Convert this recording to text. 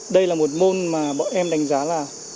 đây là một môn mà bọn em đánh giá là